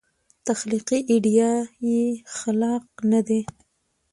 تخلیقي ایډیا یې خلاق نه دی.